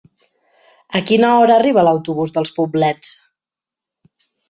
A quina hora arriba l'autobús dels Poblets?